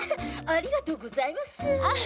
ありがとうございます。